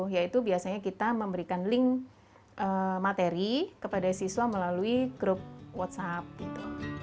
yaitu biasanya kita memberikan link materi kepada siswa melalui grup whatsapp gitu